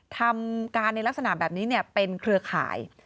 ทำการในลักษณะแบบนี้เป็นเครือข่าย